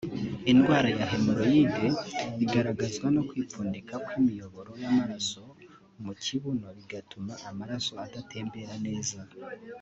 Indwara ya hemoroyide igaragazwa no kwipfundika kw’imiyoboro y’amaraso mu kibuno bigatuma amaraso adatembera neza